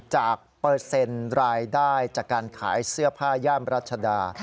เปอร์เซ็นต์รายได้จากการขายเสื้อผ้าย่านรัชดา